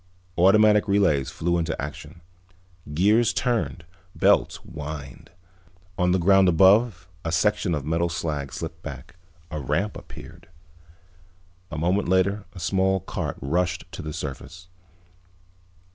Automatic relays flew into action. Gears turned, belts whined. On the ground above a section of metal slag slipped back. A ramp appeared. A moment later a small cart rushed to the surface.